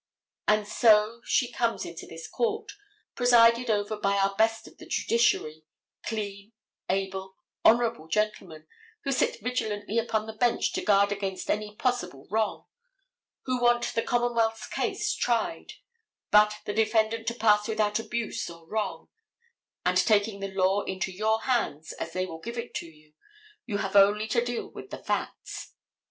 And so she comes into this court, presided over by our best of the judiciary, clean, able, honorable gentlemen, who sit vigilantly upon the bench to guard against any possible wrong, who want the commonwealth's case tried, but the defendant to pass without abuse or wrong, and taking the law into your hands as they will give it to you, you have only to deal with the facts.